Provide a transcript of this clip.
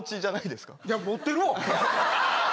いや持ってるわ！